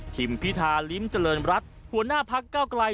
ทิมพิธาริมเจริญรัฐหัวหน้าภักดิ์เก้าไกล